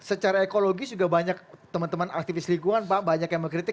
secara ekologis juga banyak teman teman aktivis lingkungan pak banyak yang mengkritik